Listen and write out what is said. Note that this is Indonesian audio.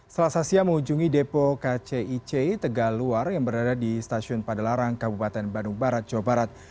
selasa siang mengunjungi depo kcic tegaluar yang berada di stasiun padalarang kabupaten bandung barat jawa barat